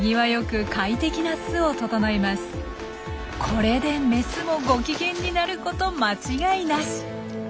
これでメスもご機嫌になること間違いなし。